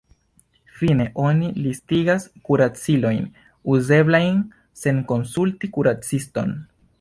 Fine, oni listigas kuracilojn uzeblajn sen konsulti kuraciston.